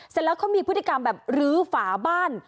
เสร็จแล้วเขามีพฤติกรรมแบบรื้อฝาบ้าน